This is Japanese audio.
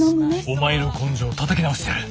お前の根性をたたき直してやる！